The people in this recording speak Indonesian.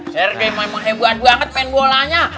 sergei memang hebat banget pengen bolanya